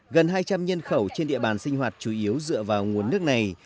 gần hai trăm linh nhân khẩu trên địa bàn sinh hoạt chủ yếu dựa vào nguồn nước này